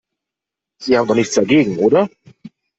Sie haben doch nichts dagegen, oder?